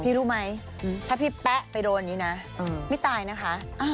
พี่รู้ไหมถ้าพี่แป๊ะไปโดนนี้นะมีตายนะคะ